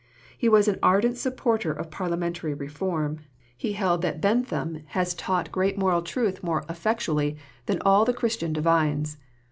He was an ardent supporter of Parliamentary Reform. He held that "Bentham has taught great moral truth more effectually than all the Christian divines."